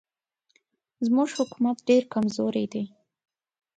زموږ حکومت ډېر کمزوری دی.